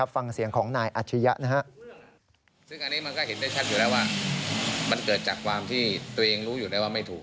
ฟังเสียงของนายอัชยะ